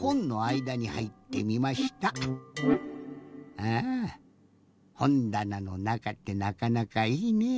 あぁほんだなのなかってなかなかいいね。